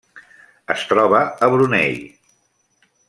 Es troba a Brunei.